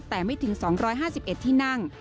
แต่ไม่ถึง๒๕๑ที่นั่ง